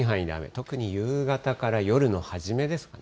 特に夕方から夜の初めですかね。